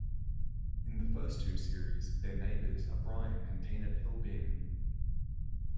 In the first two series, their neighbours are Brian and Tina Pillbeam.